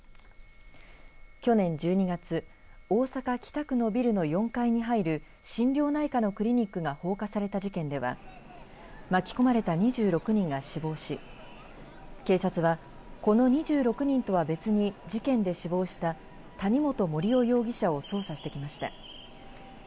去年１２月大阪、北区のビルの４階に入る心療内科のクリニックが放火された事件では巻き込まれた２６人が死亡し警察は、この２６人とは別に事件で死亡した谷本盛雄容疑者を捜査してきました。